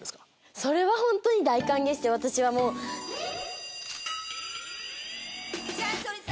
それは本当に大歓迎して私は。え⁉お！